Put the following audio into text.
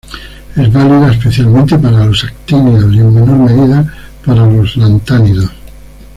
Es válida especialmente para los actínidos, y, en menor medida, para los lantánidos.